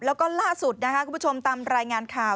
แล้วก็ล่าสุดนะคะคุณผู้ชมตามรายงานข่าว